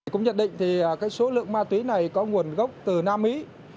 cũng nhận định thì số lượng ma túy này có nguồn gốc từ nam mỹ